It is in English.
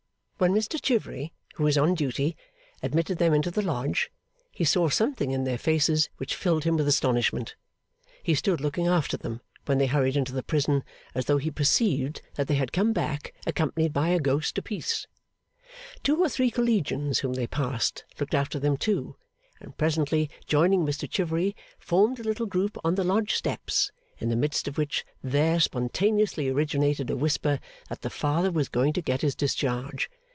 When Mr Chivery, who was on duty, admitted them into the Lodge, he saw something in their faces which filled him with astonishment. He stood looking after them, when they hurried into the prison, as though he perceived that they had come back accompanied by a ghost a piece. Two or three Collegians whom they passed, looked after them too, and presently joining Mr Chivery, formed a little group on the Lodge steps, in the midst of which there spontaneously originated a whisper that the Father was going to get his discharge.